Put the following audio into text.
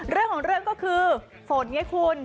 เรื่องของเรื่องก็คือฝนไงคุณ